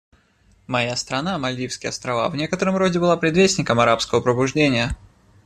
Моя страна, Мальдивские Острова, в некотором роде была предвестником «арабского пробуждения».